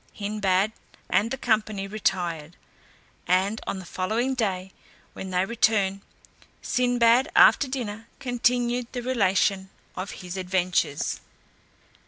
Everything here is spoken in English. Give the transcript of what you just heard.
Hindbad and the company retired; and on the following day, when they returned, Sinbad after dinner continued the relation of his adventures.